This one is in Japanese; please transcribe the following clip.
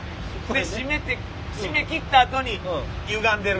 締めて締めきったあとにゆがんでる。